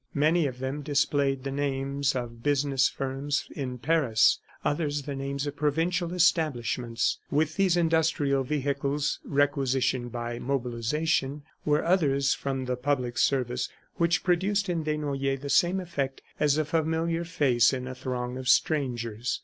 Many of them displayed the names of business firms in Paris, others the names of provincial establishments. With these industrial vehicles requisitioned by mobilization were others from the public service which produced in Desnoyers the same effect as a familiar face in a throng of strangers.